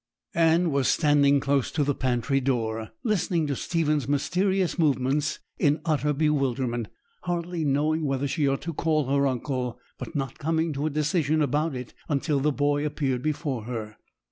Anne was standing close to the pantry door, listening to Stephen's mysterious movements in utter bewilderment, hardly knowing whether she ought to call her uncle, but not coming to a decision about it until the boy appeared before her.